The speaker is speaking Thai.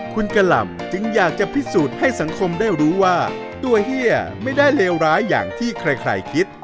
คุณกะหล่ำจึงอยากจะพิสูจน์ให้สังคมได้รู้ว่าตัวเฮียไม่ได้เลวร้ายอย่างที่ใครคิด